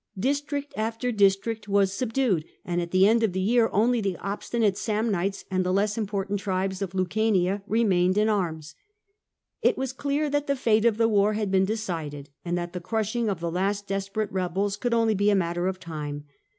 District after dis trict was subdued, and at the end of the year only the obstinate Samnites and the less important tribes of Lucania remained in arms. It was clear that the fate of the war had been decided, and that the crushing of the last desperate rebels could only be a matter of time.